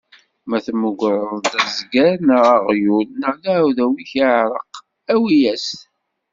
Ma temmugreḍ-d azger neɣ aɣyul n uɛdaw-ik iɛreq, awi-as-t.